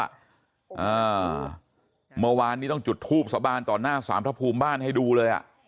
อ่าเมื่อวานนี้ต้องจุดทูบสาบานต่อหน้าสามพระภูมิบ้านให้ดูเลยอ่ะ